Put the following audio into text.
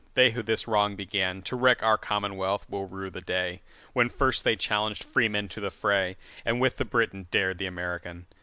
They who this wrong beganTo wreck our commonwealth, will rue the dayWhen first they challenged freemen to the fray, And with the Briton dared the American.